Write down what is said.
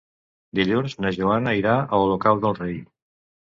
Dilluns na Joana irà a Olocau del Rei.